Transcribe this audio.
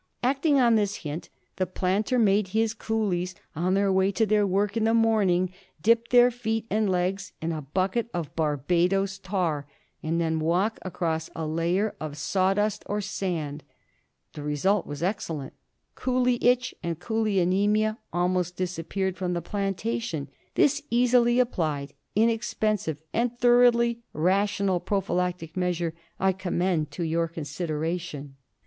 Acting on this hint the planter made his coolies, on their way to their work in the morning, dip their feet and legs in a bucket of Barbadoes tar and then walk across a layer of sawdust or sand. The result was excel lent. Coolie itch and cpolie anaemia almost disappeared from the plantation. This easily applied, inexpensive, and thoroughly rational prophylactic measure I commend to your consideration.